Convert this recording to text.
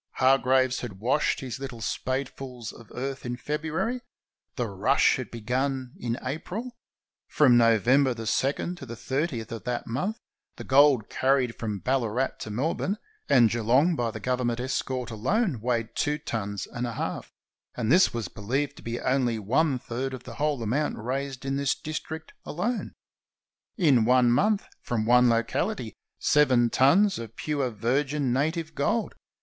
Hargraves had washed his little spadefuls of earth in February. The " rush " had begun in April. From No vember the 2d to the 30th of that month the gold carried from Ballarat to Melbourne and Geelong by the Gov ernment escort alone weighed two tons and a half, and this was believed to be only about one third of the whole amount raised in this district alone. In one month, from one locaHty, seven tons of pure virgin native gold!